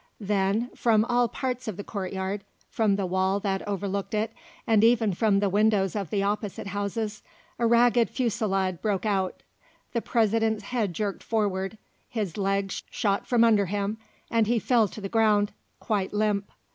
Then from all parts of the courtyard, from the wall that overlooked it and even from the windows of the opposite houses, a ragged fusilade broke out. The President's head jerked forward, his legs shot from under him and he fell to the ground, quite limp.